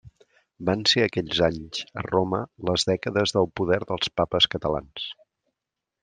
Van ser aquells anys, a Roma, les dècades del poder dels papes catalans.